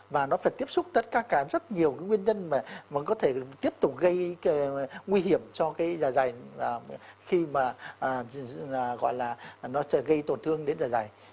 và nó phải tiếp xúc tất cả các rất nhiều cái nguyên nhân mà vẫn có thể tiếp tục gây nguy hiểm cho cái giả dày khi mà gọi là nó sẽ gây tổn thương đến giả dày